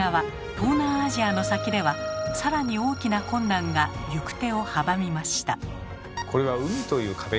東南アジアの先では更に大きな困難が行く手を阻みました。